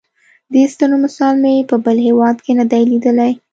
دې ستنو مثال مې په بل هېواد کې نه دی لیدلی.